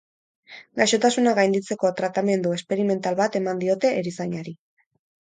Gaixotasuna gainditzeko tratamendu esperimental bat eman diote erizainari.